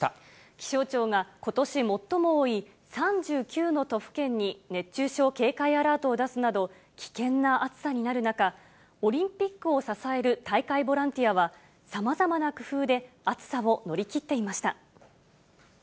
気象庁がことし最も多い３９の都府県に熱中症警戒アラートを出すなど、危険な暑さになる中、オリンピックを支える大会ボランティアは、さまざまな工夫で暑さを乗り切っていました。